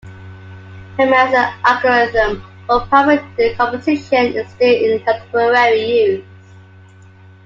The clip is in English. Hermann's algorithm for primary decomposition is still in contemporary use.